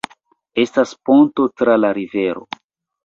Estas ponto tra la rivero.